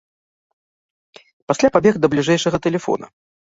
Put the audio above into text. Пасля пабег да бліжэйшага тэлефона.